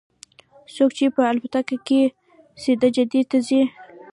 څوک چې په الوتکه کې سیده جدې ته ځي.